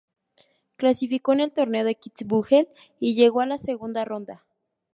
Clasificó en el Torneo de Kitzbühel y llegó a la segunda ronda.